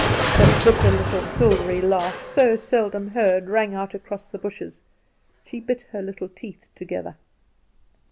The bitter little silvery laugh, so seldom heard, rang out across the bushes. She bit her little teeth together.